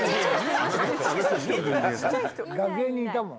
楽屋にいたもん。